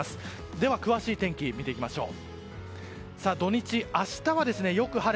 では、詳しい天気を見ていきましょう。